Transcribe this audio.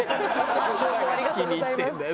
何気に入ってるんだよ